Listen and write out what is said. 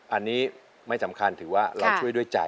อันนี้ไม่สำคัญถือว่าเราช่วยด้วยใจ